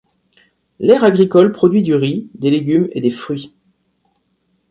L'aire agricole produit du riz, des légumes et des fruits.